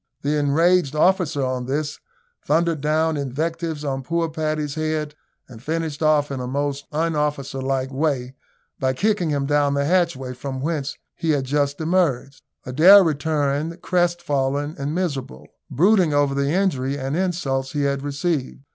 The enraged officer, on this, thundered down invectives on poor Paddy's head, and finished off in a most un officer like way by kicking him down the hatchway from whence he had just emerged. Adair returned crestfallen and miserable, brooding over the injury and insults he had received.